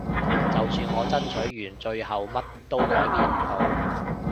就算我爭取完最後乜都改變唔到